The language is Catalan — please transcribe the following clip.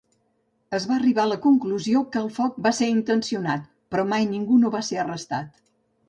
Es va arribar a la conclusió que el foc va ser intencionat, però mai ningú no va ser arrestat.